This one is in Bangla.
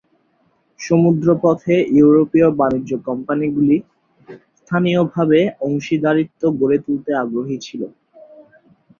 সমুদ্রপথে ইউরোপীয় বাণিজ্য কোম্পানিগুলি স্থানীয়ভাবে অংশীদারিত্ব গড়ে তুলতে আগ্রহী ছিল।